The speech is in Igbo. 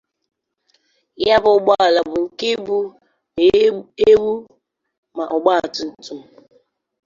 Ya bụ ụgbọala bụ nke bu ma ewu ma ọgbatumtum